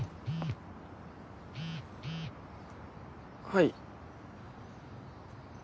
はい。